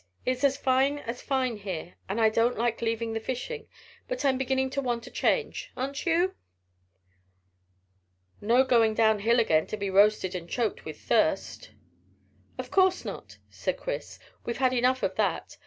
It's as fine as fine here, and I don't like leaving the fishing; but I am beginning to want a change, aren't you?" "No going down hill again to be roasted and choked with thirst." "Of course not," said Chris; "we've had enough of that.